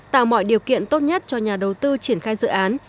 tạo mọi điều kiện tốt nhất cho nhà đầu tư triển khai dự án